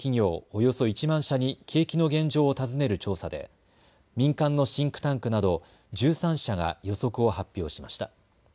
およそ１万社に景気の現状を尋ねる調査で民間のシンクタンクなど１３社が予測を発表しました。